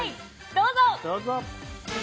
どうぞ！